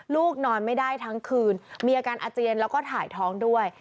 นอนไม่ได้ทั้งคืนมีอาการอาเจียนแล้วก็ถ่ายท้องด้วย